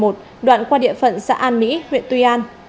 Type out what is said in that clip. đoạn qua địa phận xã an mỹ huyện tuy an